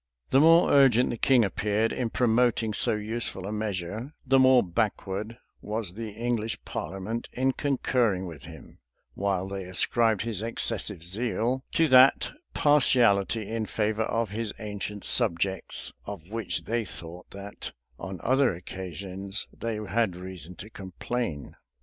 The more urgent the king appeared in promoting so useful a measure, the more backward was the English parliament in concurring with him; while they ascribed his excessive zeal to that partiality in favor of his ancient subjects, of which they thought that, on other occasions, they had reason to complain.